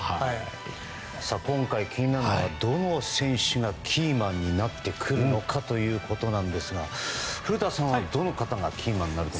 今回気になるのがどの選手がキーマンになってくるのかということなんですが古田さんはどの方がキーマンになると。